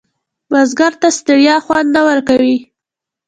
بزګر ته ستړیا خوند نه ورکوي